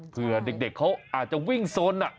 เพื่อเด็กเด็กเขาอาจจะวิ่งซ้อนน่ะ